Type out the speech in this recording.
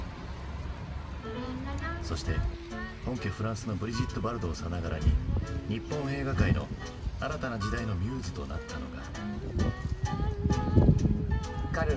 そして本家フランスのブリジット・バルドーさながらに日本映画界の新たな時代のミューズとなったのが。